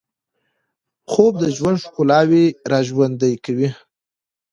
خوب د ژوند ښکلاوې راژوندۍ کوي